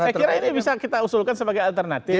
saya kira ini bisa kita usulkan sebagai alternatif